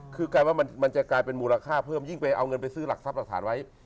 คือกลายว่ามันจะกลายเป็นมูลค่าเพิ่มยิ่งไปเอาเงินไปซื้อหลักทรัพย์หลักฐานไว้